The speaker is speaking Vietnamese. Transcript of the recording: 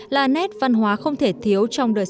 là nét văn hóa không thể thiếu